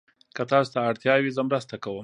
که تاسو ته اړتیا وي، زه مرسته کوم.